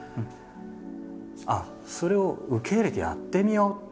あっそれを受け入れてやってみようって。